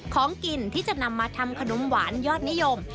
ของกินที่จะนำมาทำขนมหวานยอดนิยม